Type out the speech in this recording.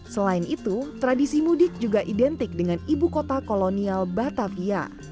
selain itu tradisi mudik juga identik dengan ibu kota kolonial batavia